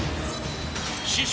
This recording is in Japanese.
［師匠。